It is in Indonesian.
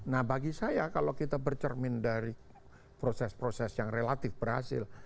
nah bagi saya kalau kita bercermin dari proses proses yang relatif berhasil